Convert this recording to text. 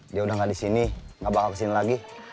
dia udah gak disini gak bakal kesini lagi